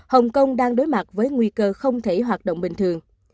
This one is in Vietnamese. hồng kông đang đối mặt với nguy cơ không thể hoạt động bình thường